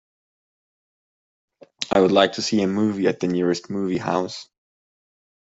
I would like to see a movie at the nearest movie house.